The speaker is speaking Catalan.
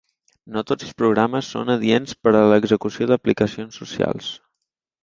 No tots els programes són adients per a l’execució d’aplicacions socials.